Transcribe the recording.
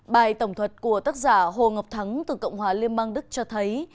bài tổng thuật của tác giả hồ ngọc thắng từ cộng hòa liên bang đức cho thấy